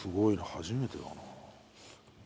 初めてだな。